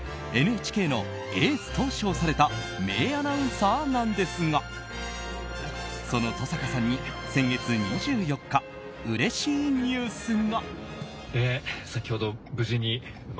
ＮＨＫのエースと称された名アナウンサーなんですがその登坂さんに先月２４日うれしいニュースが。